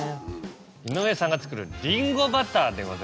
井上さんが作るりんごバターでございます。